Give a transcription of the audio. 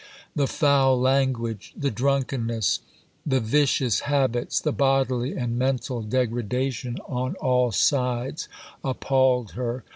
The foul language, the drunkenness, the vicious habits, the bodily and mental degradation on all sides appalled her.